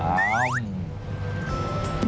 เราใส่ชามมาเป็นแบบเป็นหม้อดินเลยหรอครับ